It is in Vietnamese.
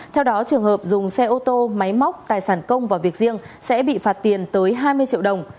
theo đó trường hợp dùng xe ô tô máy móc tài sản công và việc riêng sẽ bị phạt tiền tới hai mươi triệu đồng